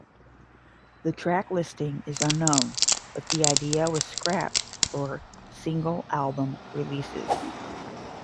The track listing is unknown, but the idea was scrapped for single album releases.